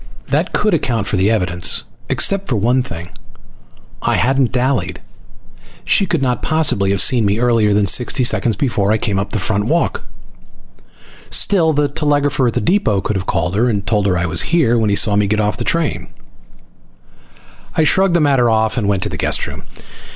That could account for the evidence except for one thing. I hadn't dallied. She could not possibly have seen me earlier than sixty seconds before I came up the front walk. Still, the telegrapher at the depot could have called her and told her I was here when he saw me get off the train. I shrugged the matter off and went to the guest room.